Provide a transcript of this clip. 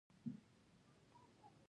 لکه په وړاندې پاڼو کې مې یادونه کړې.